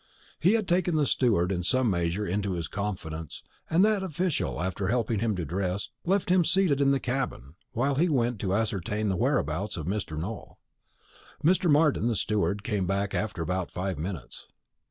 He had taken the steward in some measure into his confidence; and that official, after helping him to dress, left him seated in the cabin, while he went to ascertain the whereabouts of Mr. Nowell. Mr. Martin, the steward, came back after about five minutes.